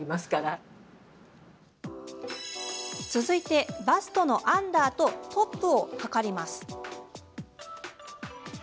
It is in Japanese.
続いてバストのアンダーとトップを測ります。